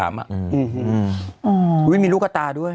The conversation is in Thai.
อื้อหือมีลูกกระตาด้วย